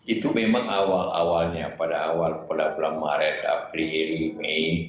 itu memang awal awalnya pada awal bulan maret april mei